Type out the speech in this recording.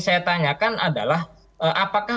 saya tanyakan adalah apakah